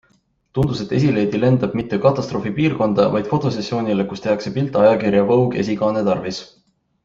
Tundus, et esileedi lendab mitte katastroofipiirkonda, vaid fotosessioonile, kus tehakse pilte ajakirja Vogue esikaane tarvis.